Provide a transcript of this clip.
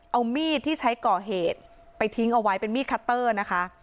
เอามีดที่ใช้ก่อเหตุไปทิ้งเอาไว้เป็นมีดคัตเตอร์นะคะ